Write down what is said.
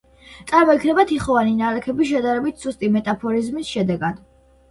წარმოიქმნება თიხოვანი ნალექების შედარებით სუსტი მეტამორფიზმის შედეგად.